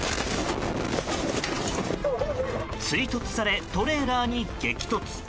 追突され、トレーラーに激突。